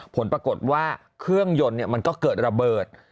ผลปรากฏว่าเครื่องยนต์มันก็เกิดระเบิด